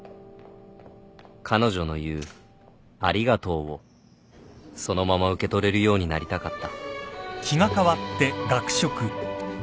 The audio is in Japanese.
彼女の言うありがとうをそのまま受け取れるようになりたかった